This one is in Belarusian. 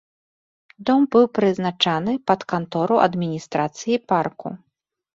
Дом быў прызначаны пад кантору адміністрацыі парку.